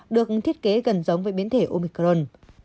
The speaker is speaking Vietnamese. được thiết kế gần giống với biến thể omicron